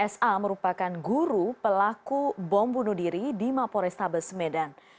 sa merupakan guru pelaku bom bunuh diri di mapo restabes medan